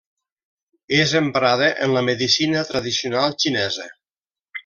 És emprada en la medicina tradicional xinesa.